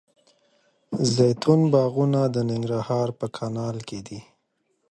زیتون باغونه د ننګرهار په کانال کې دي.